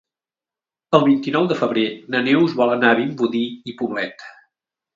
El vint-i-nou de febrer na Neus vol anar a Vimbodí i Poblet.